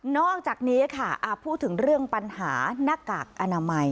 อกจากนี้ค่ะพูดถึงเรื่องปัญหาหน้ากากอนามัย